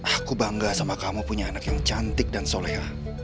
aku bangga sama kamu punya anak yang cantik dan soleha